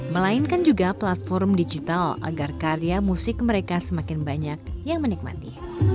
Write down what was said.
melainkan juga platform digital agar karya musik mereka semakin banyak yang menikmati